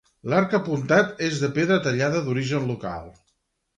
L'arc apuntat és de pedra tallada d'origen local.